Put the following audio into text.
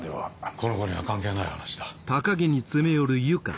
この子には関係ない話だ。